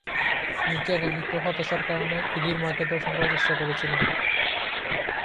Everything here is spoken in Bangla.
মিকি একাকিত্ব ও হতাশার কারণে এডির মাকে ধর্ষণ করার চেষ্টা করেছিল।